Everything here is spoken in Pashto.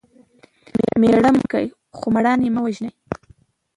مېړه مړ کى؛ خو مړانه ئې مه وژنئ!